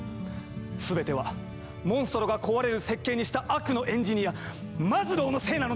全てはモンストロが壊れる設計にした悪のエンジニアマズローのせいなのですから！